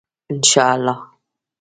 انشاالله.